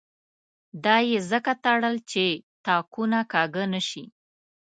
دا یې ځکه تړل چې تاکونه کاږه نه شي.